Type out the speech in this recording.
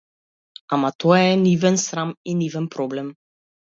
Ама тоа е нивен срам и нивен проблем.